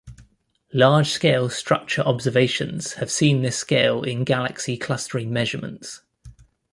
Large-scale structure observations have seen this scale in galaxy clustering measurements.